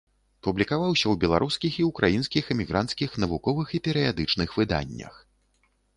Публікаваўся ў беларускіх і ўкраінскіх эмігранцкіх навуковых і перыядычных выданнях.